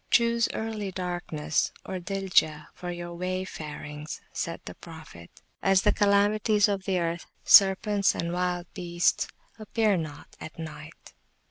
Choose early Darkness (daljah) for your Wayfarings, said the Prophet, as the Calamities of the Earth (serpents and wild beasts) appear not at Night.